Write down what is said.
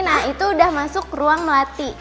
nah itu udah masuk ruang melati